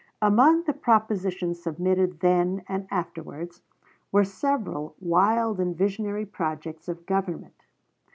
p. 78. Among the propositions submitted then and afterwards were several wild and visionary projects of government.